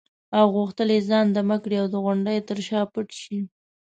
او غوښتل یې ځان دمه کړي او د غونډې تر شا پټ شي.